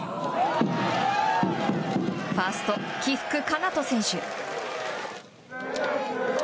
ファースト、来福奏登選手！